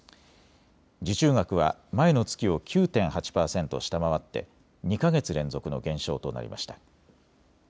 受注額は前の月を９．８％下回って２か月連続の減少となりました。